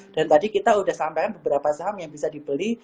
dan tadi kita sudah sampaikan beberapa saham yang bisa dibeli